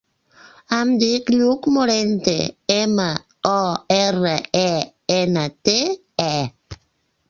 Em dic Lluc Morente: ema, o, erra, e, ena, te, e.